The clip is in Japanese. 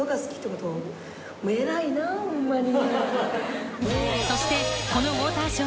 偉いなホンマに。